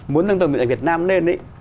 muốn nâng tầm điện ảnh việt nam lên